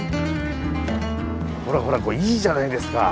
ほらほらこれいいじゃないですか。